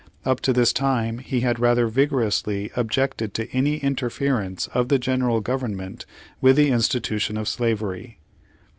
Up to this time he had rather vigorously objected to any interference of the General Government with the institution of slavery.